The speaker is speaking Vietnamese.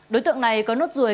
đối tượng này có nốt ruồi